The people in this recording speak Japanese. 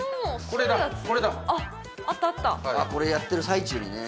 これやってる最中にね